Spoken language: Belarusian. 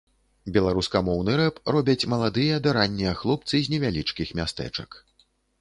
Беларускамоўны рэп робяць маладыя ды раннія хлопцы з невялічкіх мястэчак.